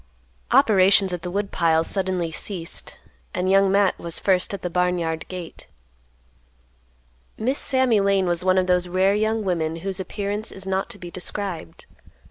Operations at the woodpile suddenly ceased and Young Matt was first at the barn yard gate. Miss Sammy Lane was one of those rare young women whose appearance is not to be described.